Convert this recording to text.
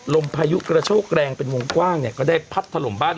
พายุกระโชกแรงเป็นวงกว้างเนี่ยก็ได้พัดถล่มบ้าน